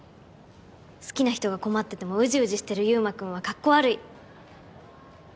好きな人が困っててもうじうじしてる悠真君はカッコ悪い！